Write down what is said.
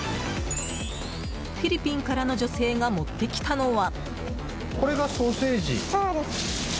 フィリピンからの女性が持ってきたのは。